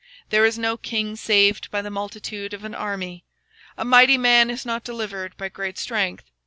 There is no king saved by the multitude of an host: A mighty man is not delivered by much strength.